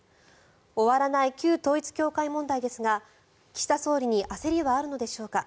終わらない旧統一教会問題ですが岸田総理に焦りはあるのでしょうか。